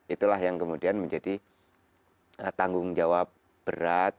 itulah yang kemudian menjadi tanggung jawab berat